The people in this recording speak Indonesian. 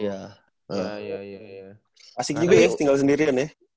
ya asik juga ya tinggal sendirian ya